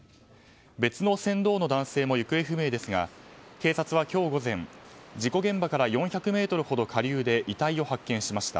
別の船頭の男性も行方不明ですが警察は今日午前事故現場から４００ｍほど下流で遺体を発見しました。